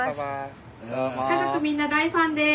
家族みんな大ファンです。